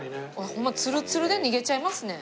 ホンマツルツルで逃げちゃいますね。